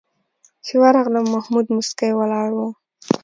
چې ورغلم محمود موسکی ولاړ و.